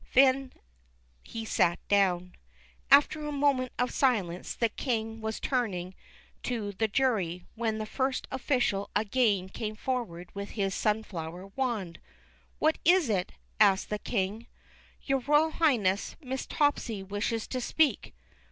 Then he sat down. After a moment of silence, the King was turning to the Jury, when the First Official again came forward with his sunflower wand. What is it?" asked the King. Your Royal Highness, Miss Topsy wishes to speak."